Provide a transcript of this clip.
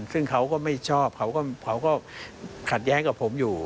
ซึ่งเขาก็ไม่ชอบเขาก็ขัดแย้งกับผมอยู่